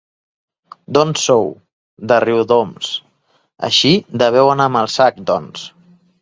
D'on sou? —De Riudoms. —Així deveu anar amb el sac, doncs.